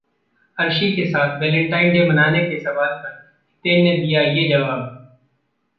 अर्शी के साथ Valentine day मनाने के सवाल पर हितेन ने दिया ये जवाब